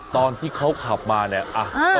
ตอนที่เขาขับมาเนี่ย